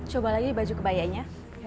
coba lagi baju kebayanya